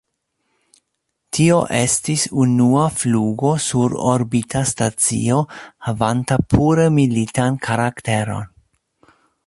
Tio estis unua flugo sur orbita stacio, havanta pure militan karakteron.